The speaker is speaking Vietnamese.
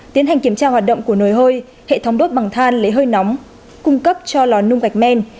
tiến hành kiểm tra hoạt động của nồi hơi hệ thống đốt bằng than lấy hơi nóng cung cấp cho lò nung gạch men